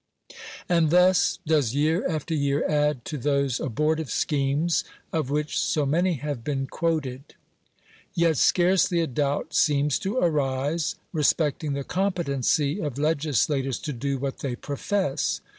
And thus does year after year add to those abortive Bchemes, of which so many have been quoted (pp. 8, 46, 288). Yet scarcely a doubt seems to arise, respecting the competency of legislators to do what they profess.